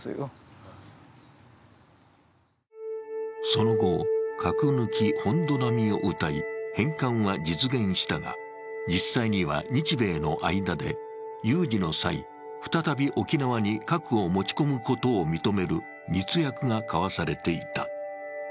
その後、核抜き・本土並みをうたい返還は実現したが実際には日米の間で有事の際再び沖縄に核を持ち込むことを認める密約が交わされていた。